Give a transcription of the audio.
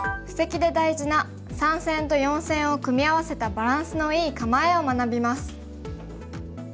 布石で大事な３線と４線を組み合わせたバランスのいい構えを学びます。